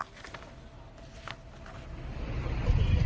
คือ